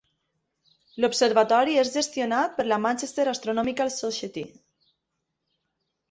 L'observatori és gestionat per la Manchester Astronomical Society.